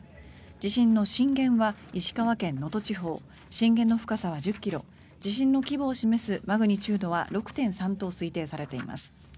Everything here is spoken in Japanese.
地震の震源は石川県能登地方震源の深さは１０ｋｍ地震の規模を示すマグニチュードは６．３と推定されています。